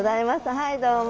はいどうも。